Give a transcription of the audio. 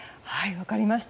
分かりました。